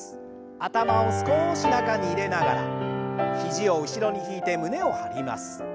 頭を少し中に入れながら肘を後ろに引いて胸を張ります。